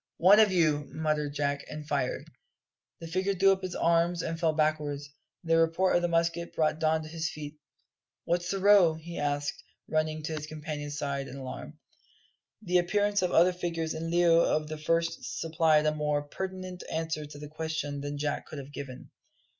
"One for you," muttered Jack, and fired. The figure threw up its arms and fell backwards. The report of the musket brought Don to his feet. "What's the row?" he asked, running to his companion's side in alarm. The appearance of other figures in lieu of the first supplied a more pertinent answer to this question than Jack could have given.